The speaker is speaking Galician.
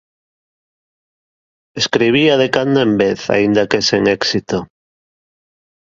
Escribía de cando en vez aínda que sen éxito.